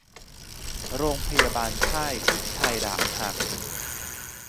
โรงพยาบาลค่ายพิชัยดาบหัก